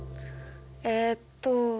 えっと。